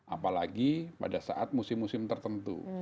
apalagi pada saat musim musim tertentu